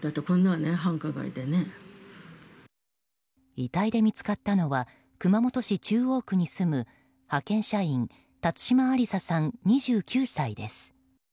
遺体で見つかったのは熊本市中央区に住む派遣社員辰島ありささん、２９歳です。